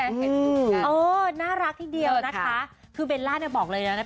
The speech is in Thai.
เห็นสุดครับเอ้อน่ารักที่เดียวนะคะโอ้เมลล่าเนี่ยบอกเลยนะ